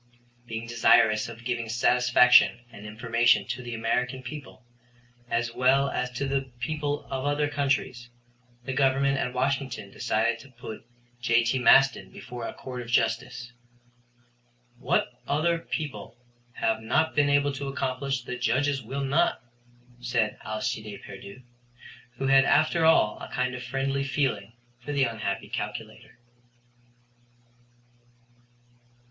Being desirous of giving satisfaction and information to the American people, as well as to the people of other countries, the Government at Washington decided to put J.T. Maston before a court of justice. "What other people have not been able to accomplish the Judges will not," said Alcide Pierdeux, who had after all a kind of a friendly feeling for the unhappy calculator.